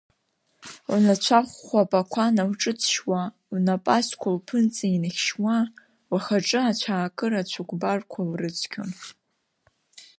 Лнацәа хәхәа пақәа налҿыҵшьуа, лнапы азқәа лԥынҵа инахьшьуа, лхаҿы ацәаакыра цәыкәбарқәа лрыцқьон.